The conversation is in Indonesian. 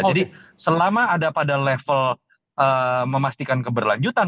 jadi selama ada pada level memastikan keberlanjutan